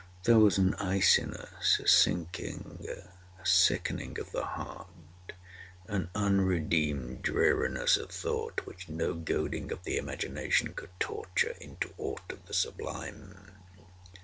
There was an iciness, a sinking, a sickening of the heart—an unredeemed dreariness of thought which no goading of the imagination could torture into aught of the sublime.